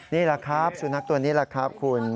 นี่แหละครับสุนัขตัวนี้แหละครับคุณ